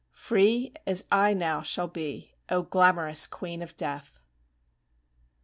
Free as I now shall be, O glamorous Queen of Death!